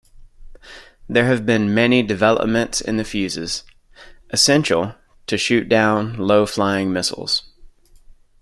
There have been many developments in the fuses, essential to shoot down low-flying missiles.